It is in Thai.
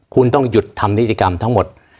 คุณต้องหยุดทำนิติกรรมทั้งหมด